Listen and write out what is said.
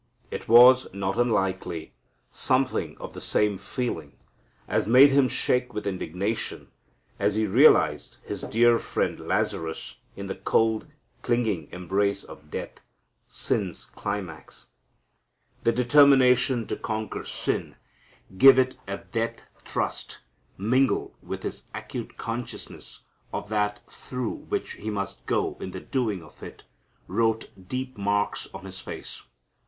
It was, not unlikely, something of the same feeling as made Him shake with indignation as He realized His dear friend Lazarus in the cold, clinging embrace of death, sin's climax. The determination to conquer sin, give it a death thrust, mingled with His acute consciousness of that through which He must go in the doing of it, wrote deep marks on His face.